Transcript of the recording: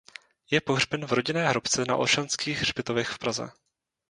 Je pohřben v rodinné hrobce na Olšanských hřbitovech v Praze.